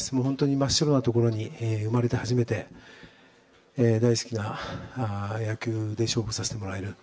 真っ白なところに生まれて初めて大好きな野球で勝負させてもらえる。